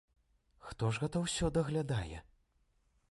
Хто ж гэта ўсё даглядае?